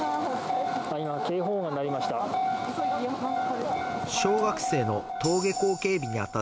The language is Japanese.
今、警報音が鳴りました。